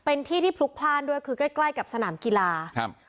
เป็นที่ที่พลุกพลาดด้วยคือใกล้ใกล้กับสนามกีฬาครับ